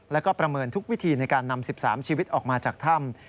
แล้วก็ประเมินทุกวิธีในการนำ๑๓ชีวิตออกมาจากถ้ำ